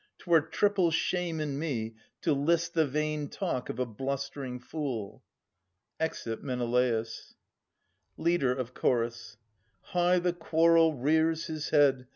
'Twere triple shame in me To list the vain talk of a blustering fool. [Exit Menelaus. Leader of Chorus. High the quarrel rears his head!